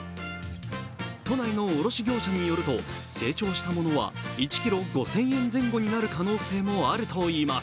都内の卸業者によると成長したものは１ｋｇ５０００円前後になる可能性もあるといいます。